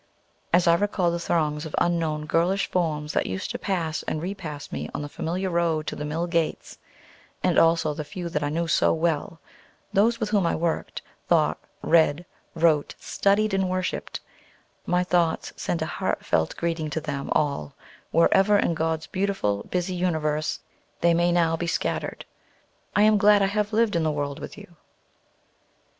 As I recall the throngs of unknown girlish forms that used to pass and repass me on the familiar road to the mill gates, and also the few that I knew so well, those with whom I worked, thought, read, wrote, studied, and worshiped, my thoughts send a heartfelt greeting to them all, wherever in God's beautiful, busy universe they may now be scattered: "I am glad I have lived in the world with you!"